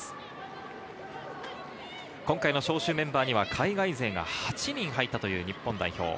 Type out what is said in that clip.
今回、招集メンバーには海外勢が８人入った日本代表。